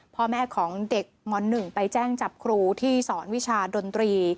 พ่อแม่ของเด็กม๑ไปแจ้งจับครูที่สอนวิชาดนตรี